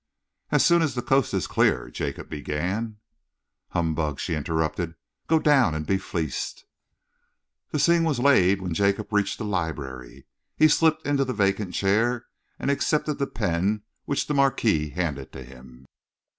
"As soon as the coast is clear," Jacob began, "Humbug!" she interrupted. "Go down and be fleeced." The scene was laid when Jacob reached the library. He slipped into the vacant chair and accepted the pen which the Marquis handed to him.